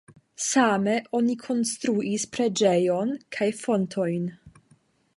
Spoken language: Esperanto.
Same oni konstruis preĝejon kaj fontojn.